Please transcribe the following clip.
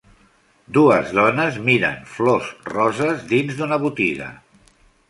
Dues dones miren flors roses dins d'una botiga.